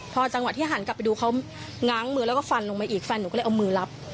พอจังหวะที่หันกลับไปดูเขาง้างมือแล้วก็ฟันลงมาอีกแฟนหนูก็เลยเอามือรับ